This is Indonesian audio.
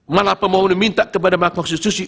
malah pemohon diminta kepada makamah konstitusi